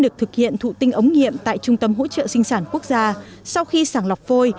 được thực hiện thụ tinh ống nghiệm tại trung tâm hỗ trợ sinh sản quốc gia sau khi sàng lọc phôi